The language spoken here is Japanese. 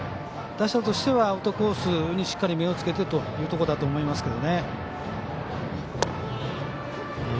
打者としてはアウトコースにしっかり目をつけてというところだと思います。